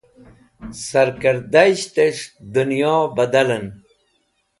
Sarkẽrdayishtẽs̃h dẽnyo badalẽn.